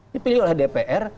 dipilih oleh dpr